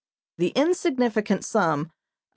The insignificant sum of $2.